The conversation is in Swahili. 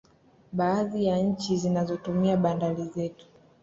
Baadhi ya nchi zinazotumia bandari zetu